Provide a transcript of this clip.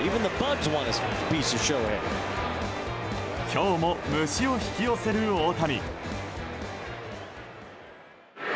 今日も虫を引き寄せる大谷。